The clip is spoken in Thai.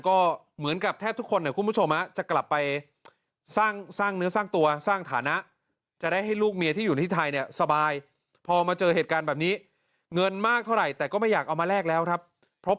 ก็เหมือนกับแทบทุกคนหรือคุณผู้ชมจะกลับไปสร้างเนื้อ